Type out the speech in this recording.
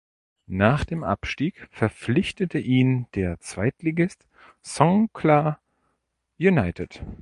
Nach dem Abstieg verpflichtete ihn der Zweitligist Songkhla United.